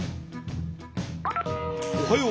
おはよう。